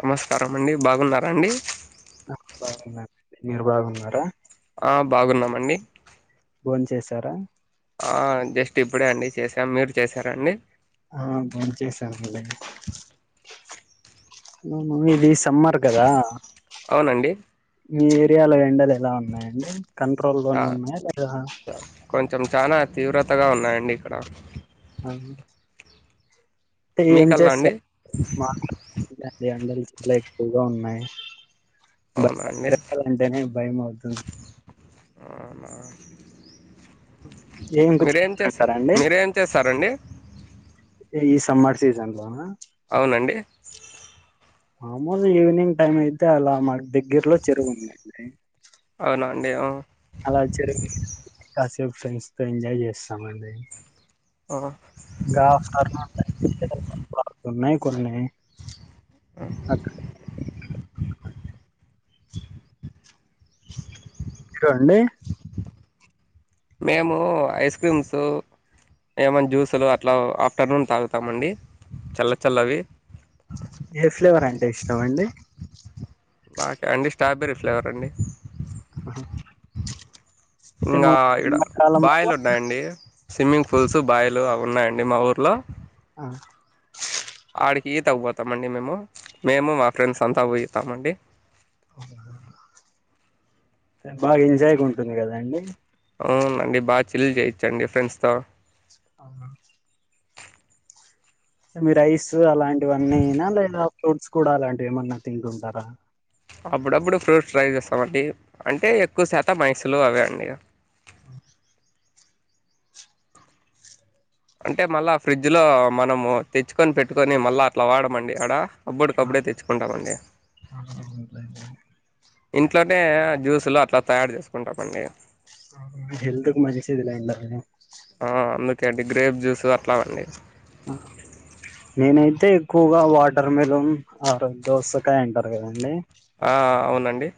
నమస్కారం అండి బాగున్నారాండి. [inaudible] మీరు బాగున్నారా. ఆ బాగున్నామండి. బోన్ చేసారా. ఆ జస్ట్ ఇప్పుడే అండి చేసాం మీరు చేసారండి. ఆ భోంచేసారండీ హ్మ్ ఇది సమ్మర్ కదా అవునండి మీ ఏరియాలో ఎండలు ఎలా ఉన్నాయండి కంట్రోల్ తా లోనే ఉన్నాయా లేదా కొంచెం చానా తీవ్రతగా ఉన్నాయండి ఇక్కడ ఆహా తే ఏం మీకల్లా చేస్తా అండి మా [unintelligible] ఎండలు చాలా ఎక్కువగా ఉన్నాయి అవునా అండి [unintelligible] అంటేనే భయం అవుతుం అవునా ఏం ఇంకా మీరేం [inaudible] చేస్తారు టారండి మీరేం చేస్తారండి ఏ ఇస్ సమ్మర్ సీజన్ లోనా అవునండి మామూలుగా ఈవెనింగ్ టైం అయితే అలా మా దగ్గరలో చెరువుందండి అవునా అండి ఆ అలా [inaudible] కాసేపు ఫ్రెండ్స్ తో ఎంజాయ్ చేస్తామండి ఆ ఇంగా ఎ [unintelligible] ఉన్నాయి కొన్ని అక్ మీరు అండి మేము ఐస్ క్రీమ్సు ఏమైన్న జ్యూసులు అట్లా ఆఫ్టర్నూన్ తాగుతామండి చల్ల చల్లవి ఏ ఫ్లేవర్ అంటే ఇష్టం అండి నాకా అండి స్టాబెర్రీ ఫ్లేవర్ అండి ఆహా ఇంగా ఈడ ఏమో బాయిలు ఉన్నాయండి స్విమ్మింగ్ పూల్స్ బాయిలు అవి ఉన్నాయండి మా ఊర్లో ఆ ఆడికి ఈత కు పోతాం అండి మేము మేమూ మా ఫ్రెండ్స్ అంతా పోయూతామండి బాగా ఎంజాయ్ గుంటుంది కదండి అవునండి బాగా చిల్ చేయొచ్చండి ఫ్రెండ్స్ తో అవునా మీరు ఐస్ అలాంటివన్నీనా లేదా ఫూట్స్ కూడా అలాంటివేమన్నా తింటూంటారా అప్పుడప్పుడు ఫ్రూట్స్ ట్రై చేస్తామండి అంటే ఎక్కువ శాతం ఐసు లు అవే అండి అంటే మళ్ళా ఫ్రిజ్జు లో మనము తెచ్చుకొని పెట్టుకొని మళ్ళా అట్లా వాడమండి అడ అబ్బొడుకప్పుడే తెచ్చుకుంటామండి ఇంట్లోనే జ్యూసులు అట్లా తయారు చేసుకుంటామండి అవునా హెల్త్ కు మంచిది లెండి అవనీ తడ్డి గ్రేప్ జ్యూసు నేనై తే ఎక్కువగా వాటర్ మిలోన్ అర్ దోసకాయ అంటారు కదండి ఆ అవునండి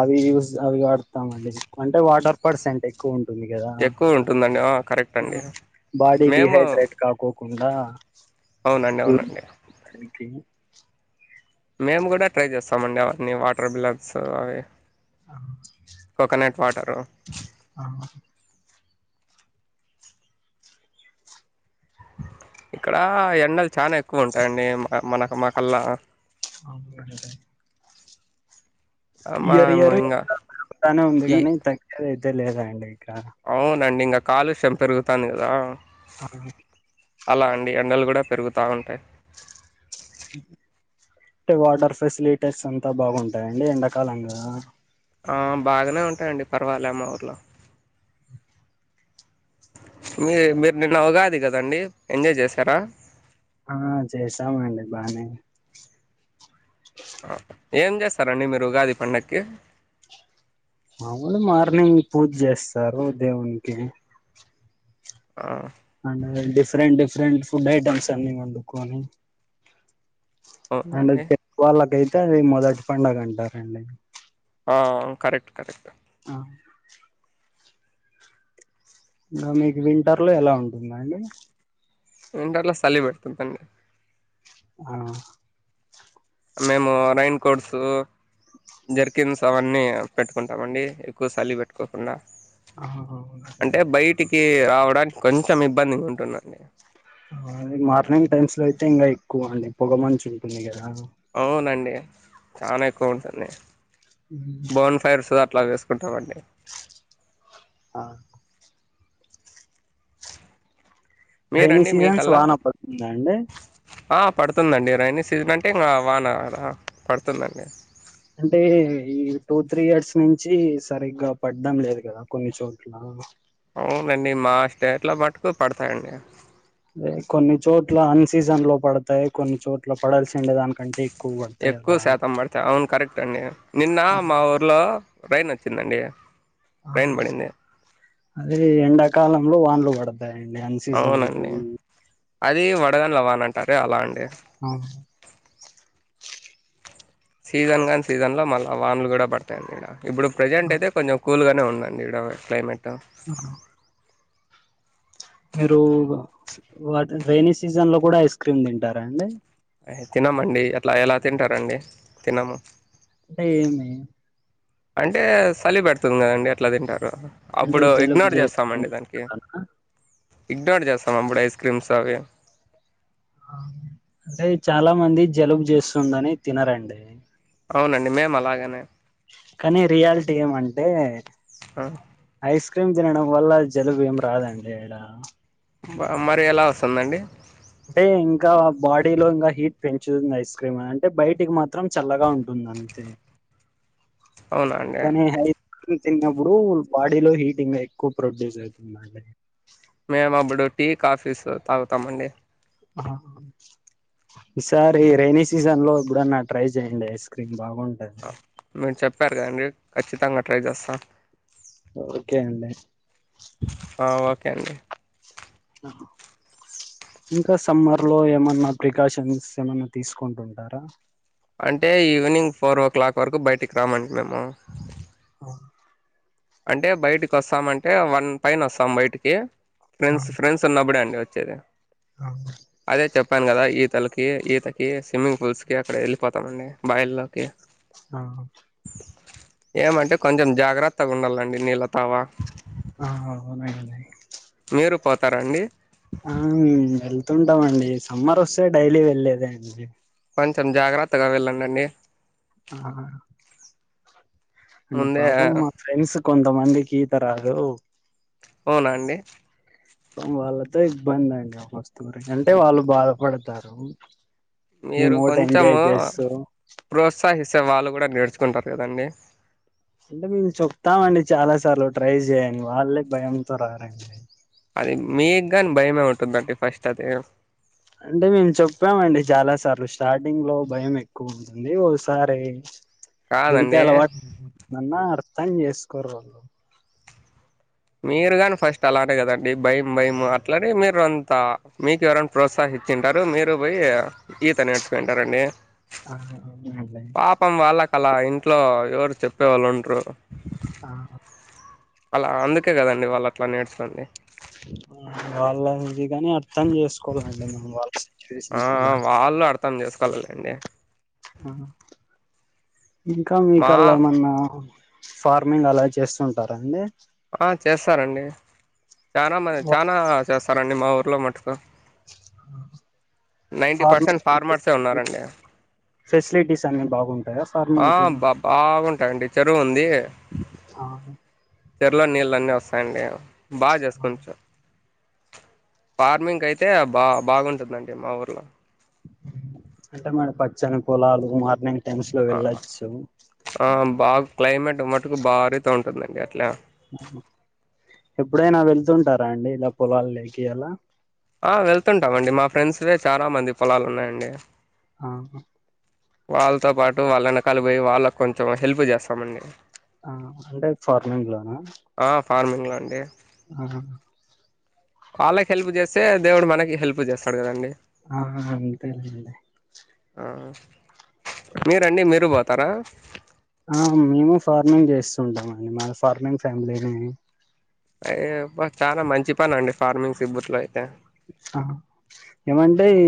అవి యూస్ అవి వాడతామండి అంటే వాటర్ పర్సెంట్ ఎక్కువుం టుంది కదా ఎక్కువ ఉంటుందండి ఆ, కరెక్ట్ అండి బాడీ మేము డిహైడ్రేట్ కాకోకుండా అవునండి అవునండి టీ మేము కూడా ట్రై చేస్తామండి అవన్నీ వాటర్ బిలట్సు అవి [inaudible] కోకోనట్ వాటరు ఆహా ఇక్కడ ఎండలు చానా ఎక్కువ ఉంటాయండి మ మనకు మా కల్ల అవునండి ఇయరు మేము ఇయరు ఇంగా [inaudible] లానే ఉంది ఈ కానీ తగ్గేదైతే లేదండి ఇక అవునండి ఇంక కాలుష్యం పెరుగుతాంది కదా ఆ, అలా అండి ఎండలు కూడా పెరుగుతా ఉంటాయి టే వాటర్ ఫెసిలీటస్ అంతా బాగుంటాయా అండి ఎండాకాలం గదా ఆ బాగనే ఉంటాయండి పరవాలే మా ఊర్లో మీ మీరు నిన్న ఉగాది కదండి ఎంజాయ్ చేశారా ఆ చేశామండి బానే ఏం చేస్తారండి మీరు ఉగాది పండక్కి మాములే మార్నింగ్ పూజ చేస్తారు దేవునికి ఆ and different different food items అన్నీ ఒండుకోని అంటే అవునండి తె [inaudible] గు వాళ్ళకైతే అది మొదటి పండగ అంటారండి ఔన్ కరెక్ట్ కరెక్ట్ ఆ ఇంకా మీకు వింటర్ లో ఎలా ఉంటుందండి వింటర్ లో సలి బెడుతుందండి ఆ మేము రైన్ కోట్స్ జర్కిన్స్ అవన్నీ పెట్టుకుంటామండి ఎక్కువ సలి పెట్టుకోకుండా ఆహా కి ఆవడానికి కొంచెం ఇబ్బందిగుంటుందండి మాది మార్నింగ్ టైమ్స్ లో అయితే ఇంకా ఎక్కువ అండి పొగ మంచు ఉంటుంది కదా అవునండి చానా ఎక్కువ ఉంటుంది బోన్ ఫైర్స్ అట్లా వేసు కుంటామండి ఆ రెయినీ మీరండి సీజన్స్ మీకల్లా వాన పడుతుందా అండి ఆ పడుతుందండి రెయినీ సీజన్ అంటే ఇంకా వాన పడుతుందండి అంటే ఈ టూ త్రీ ఇయర్స్ నుంచి సరిగ్గా పడ్డం లేదు కదా కొన్ని చోట్ల అవునండి మా స్టేట్ లో మటుకు పడతాయండి దే కొన్ని చోట్ల అన్ సీజన్ లో పడతాయి కొన్ని చోట్ల పడాల్సిండే దానికంటే ఎక్కువ పడతాయి ఎక్కువ అలా శాతం పడితే అవును కరెక్ట్ అండి నిన్న ఆ మా ఊర్లో రెయిన్ వచ్చిందండి రైన్ పడింది అదే ఎండాకాలంలో వానలు పడ అవునండి అది వడగండ్ల వాన అంటారే అలా అండి ఆ సీజన్ గానీ సీజన్ లో మళ్ళా వానలు కూడా పడతాయి అండి ఈడ ఇప్పుడు ప్రెజెంట్ ఆ అయితే కొంచెం కూల్ గానే ఉన్నా అండి ఈడ క్లైమేట్ ఆ మీరు వా రెైనీ సీజన్ లో కూడా ఐస్ క్రీమ్ తింటారా అండి తినమండి అట్లా ఎలా తింటారండి తినము అంటే ఏమే అంటే చలి పెడుతుంది కదండి ఎట్లా తింటారు అంటే అప్పుడు జలుబు ఇగ్నోర్ చేస్తుంది చేస్తామండి దానికి ఇగ్నోర్ చేస్తామప్పుడ ఐస్క్రీమ్స్వి అంటే చాలా మంది జలుబు చేస్తుందని తినారండి అవునండి మే అలాగనే కానీ రియాలిటీ గేమ్ అంటే ఆ క్రీమ్ తినడం వల్ల జలుబు ఏం రాదండి ఆడ మరి ఎలా వస్తుందండి అంటే ఇంకా బాడీలో ఇంకా హీట్ పెంచుంది ఐస్ క్రీమ్ అంటే బయటికి మాత్రం చల్లగా ఉంటుంది అంతే అవునా అండి కానీ హ తిన్నప్పుడు బాడీలో హీటింగ్ ఎక్కువ ప్రొడ్యూస్ అవుతుందండి మేము అప్పుడు టీ కాఫీస్ తాగుతామ అండి సార్ ఈ రెైన సీజన్ లో కూడా నా ట్రై చేయండి ఐస్ క్రీమ్ బాగుంటది మీేరు చెప్పారు కదండడి ఖచ్చితంగా ట్రై చేస్తా ఓకే అంటడి ఓకే అండి ఆ ఇంకా సమ్మర్ లో ఏమన్నా ప్రికాషన్స్ ఏమన్నా తీసుకుంటుంటారా అంటే ఈవినింగ్ ఫోర్ ఓ క్లాక్ వరకు బయటికి రామండి మేము ఆ అంటే బయటికి వస్తామ అంటే వన్ పైన వస్తాం బయటికి ఫ్రెండ్స్ ఫ్రెండ్స్ ఉన్నబడే అండి వచ్చ అదే చెప్పాను కదా ఈ ఇతలకి ఈతకి స్విమ్మింగ్ పూల్స్ కి అక్కడ వెళ్ళిపోతామండి బయల్లోకి ఆ ఏమంటే కొంచెం జాగ్రత్తగా ఉండాలండి నీళ్ళ తావా ఆఅవును అని మీరు పోతారండి ఆ వెళ్తుంటామండి సమ్మర్ వస్తే డైలీ వెళ్లేదే అండి కొంచెం జాగ్రత్తగా వెళ్ళండిండి ఆ అంటే ముందే పాపం మా ఫ్రెండ్స్ కొంతమందికి ఈత రాదు అవునా అండి ఎంతో ఇబ్బంది అండి వస్తువురి అంటే వాళ్ళు బాధపడతారు మీరు మేము ఒకటి ఎంజాయ్ కొంచము చేస్తూ ప్రోత్స ఉత్సాహిసే వాళ్ళు కూడా నేర్చుకుంటారు కదండి అంటే మేము చెప్తామండి చాలా సార్లు ట్రై చేయడి వాళ్ళే భయంతో రారంండి అది మీగాని భయమే ఉంటుందండి ఫస్ట్ అది అంటే మేము చెప్పామండి చాలా సార్లు స్టార్టింగ్ లో భయం ఎక్కువ ఉతుంది ఓసారి దిగితే కాదండి అలవాటున్న అర్థం చేసుకోరు వాళ్ళు మీరుగాని ఫస్ట్ అలానే కదండి భయం భయం అట్లానే మీరు అంత మీకు ఎవరైనా ప్రోత్సహించ ఇ తింటారు మీరు పోయి ఈత నేర్చుకు తంటారండి ఆ అల వాళ్ళకి అలా ఇంట్లో ఎవరు చెప్పేవాళ్ళు ఉంటరు ఆ అలా అందుకే కదండి వాళ్ళు అట్లా నేర్చుకోండి వాళ్ళ ఇది కాని అర్థం చేసుకోవాలండి మేం వాళ్ళ సిచ్యువేషన్ ఆ కూడా వాళ్ళు అర్థం చేసుకోవలాలండి ఇంకా మా మీకల్లా ఏమన్నా ఫార్మింగ్ అలా చేస్తుంటారం అండి ఆ చేస్తారంండి చాలా మ చనాా చేస్తారంండి మా ఊర్లో మటుకు నైటీ పర్సెంట్ ఫార్మింగ్ ఫార్మర్సే ఉన్నారండి ఫెసిలిటీస్ అ బాగుంటుంది ఆ బా బాగుంటాయిడి చెరువు ఉంది ఆ చెరలో నీళ్ళు అన్నీ వస్తాయండి బాగా ఆ చేసుకోచ్చు ఫార్మింగ్ అయితే బా బాగుంటుందండి మా ఊర్లో అంటే మేడం పచ్చని పొలాలు మార్నింగ్ టైమ్స్ లో ఆ వెళ్ళచ్చు ఆ బాగా క్లైమేట్ ఉన్నమటుకు భారీతే ఉంటుందండి అట్లా ఎప్పుడైనా వెళ్తుంటారా అండి ఇలా పొలాాల లేకి అలా ఆ వెళ్తుంటామండి మా ఫ్రెండ్స్వే చాలా మంది పొలాలు ఉన్నాయండి ఆ వాళ్ళతో పాటు వాళ్ళను కల బోయి వాళ్ళకు కొంచెం హెల్ప్ జేస్తామండి ఆ అంటే ఫార్మింగ్ లోన ఆ ఫార్మింగ్లో అండి ఆ వాళ్ళకి హెల్ప్ జేస్తే దేవుడు మనకి హెల్ప్ జేస్తాడు కదండి ఆ అంతేలెండి ఆ మీరండి మీరు బోతారా ఆ మేము ఫార్మింగ్ చేస్తుంటామండి మా ఫార్మింగ్ ఫ్యామిలీనే అయో అబ్బ చాలా మంచి పని అండి ఫార్మింగ్ సిబ్బుత్లో అయితే ఆ ఏమంటే ఈ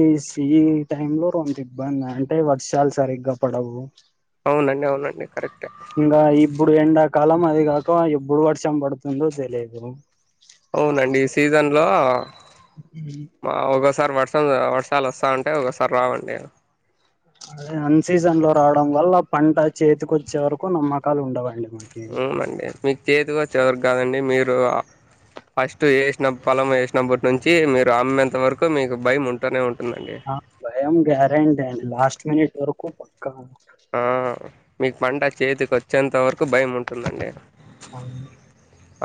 ఈ టైం లో అంత ఇబ్బంది అంటే వర్షాల్ సరిగ్గా పడవు అవునండి అవునండి కరెక్టే ఇంగ ఇప్పుడు ఎండాకాలం అయి కాక ఎప్పుడు వర్షం పడుతుందో తెలియదు సీజన్ లో మా బస్ ఈతారి వర్షం వర్షాలు వస్తా ఉంటే ఒకొసారి రావండి అద అన్ సీజన్ లో రావడం వల్ల పంట చేతికి వచ్చే వరకు నమ్మకాలు ఉండవండి మాకి అవునండి మీకు చేతికొచ్చేవరకు గాదండి మీరు అ ఫస్ట్ ఏషిన పొలం ఏషినప్పటి నుంచి మీరు అమ్మేంత వరకు మీకు భయం ఉంటనే ఉం అ భయం గ్యారంటండి లాస్ట్ మినట్ వరకు పక్క ఆ మీకు పంట చేతికి ఒచ్చేంత వరకు భయం ఉంటుందండి ఆ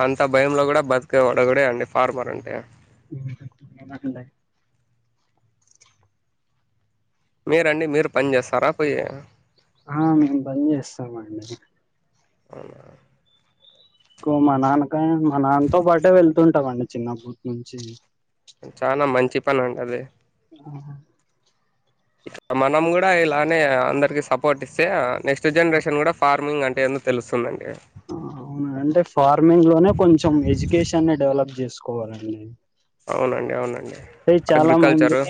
అంత భయంలో గూడా బతికేవాల్ డొగడే అండి ఫార్మర్ అంటే నాకు [unintelligible] మీరండి మీరు పని జేస్తారా పోయ్ ఆ మేము పనిచేస్తాం అండి అవునా ఎక్కువ మా నాన్నకు మా నాన్నతో పాటే వెళ్తుంటమండి చిన్నపుటి నుంచి చాలా మంచి పని అండి అది ఆ మనం కూడా ఇలానే అందరికి సపోర్ట్ ఇస్తే నెక్స్ట్ ఆ, జనరేషన్ గూడా ఫార్ మింగ్ అంటే ఎందో తెలుస్తుందండి అవునా అంటే ఫార్మింగ్ లోనే కొంచెం ఎడ్యుకేషన్ని డెవలప్ చేసుకోవాలండి అవునండి అవునండి అయి చాలా మంది అగ్రికల్చరు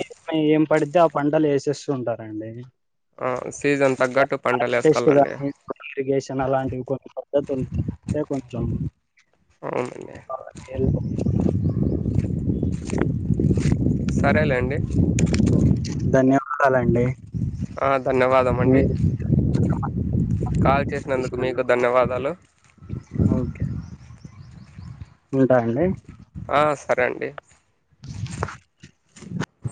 ఏం పడితే ఆ పంటలు ఏసేస్తు ఉంటరండి ఆ! సీజన్ తగ్గట్టు పంటలు వేసుకోవాలండి ఇరిగేషన్ అలాంటివి కొన్ని పద్ధతు ఉంది ఏ కొంచం అవునండీ సరేలేండి ధన్యవాదాలండి ధన్యవాదం మీ అండి కాల్ చేసినందుకు మీకు ధన్యవాదాలు ఓకే ఉంటా అండి ఆ సరే అండి [unintelligible]